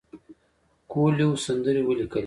کویلیو سندرې ولیکلې.